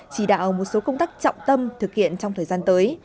chỉ đạo một số công tác trọng tâm thực hiện trong thời gian tới